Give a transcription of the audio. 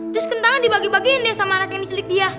terus kentangan dibagi bagiin deh sama alat yang diculik dia